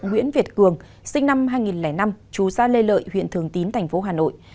nguyễn việt cường sinh năm hai nghìn năm chú ra lê lợi huyện thường tín tp hà nội